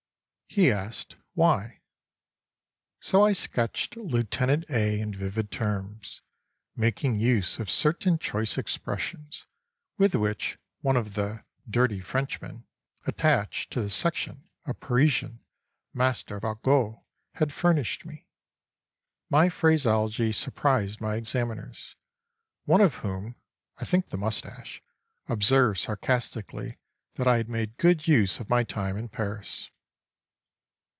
He asked: "Why?"—so I sketched "Lieutenant" A. in vivid terms, making use of certain choice expressions with which one of the "dirty Frenchmen" attached to the section, a Parisien, master of argot, had furnished me. My phraseology surprised my examiners, one of whom (I think the moustache) observed sarcastically that I had made good use of my time in Paris.